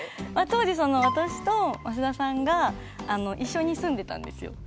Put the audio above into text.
当時私と増田さんが一緒に住んでたんですよ。